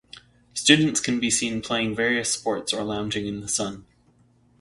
Students can be seen playing various sports or lounging in the sun.